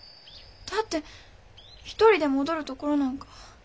だって一人で戻る所なんか。